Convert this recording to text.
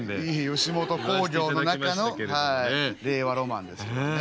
吉本興業の中の令和ロマンですけどね。